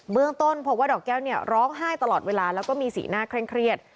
เมืองต้นพบว่าดอกแก้วเนี่ยร้องไห้ตลอดเวลาแล้วก็มีสีหน้าเคร่งเครียด